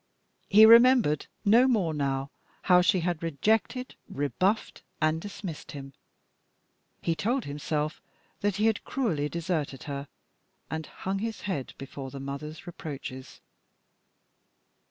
He remembered no more now how she had rejected, rebuffed, and dismissed him. He told himself that he had cruelly deserted her, and hung his head before the mother's reproaches.